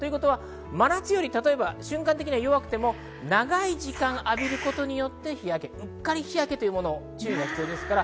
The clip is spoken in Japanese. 真夏より例えば瞬間的には弱くても長い時間浴びることによって日焼け、うっかり日焼けに注意が必要です。